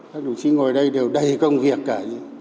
các đồng chí ngồi đây đều đầy công việc cả